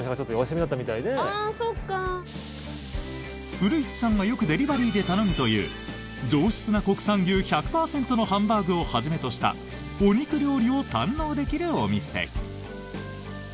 古市さんがよくデリバリーで頼むという上質な国産牛１００％のハンバーグをはじめとしたお肉料理を堪能できるお店。